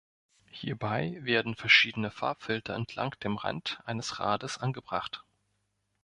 Hierbei werden verschiedene Farbfilter entlang dem Rand eines Rades angebracht.